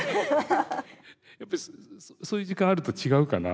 やっぱりそういう時間あると違うかな？